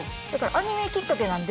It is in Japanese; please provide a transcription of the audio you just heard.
アニメきっかけなんで。